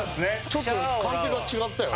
ちょっとカンペが違ったよ。